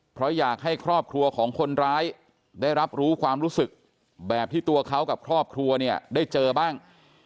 เพราะอยากให้ครอบครัวของคนร้ายได้รับรู้ความรู้สึกแบบที่ตัวเขากับครอบครัวเนี่ยได้เจอบ้าง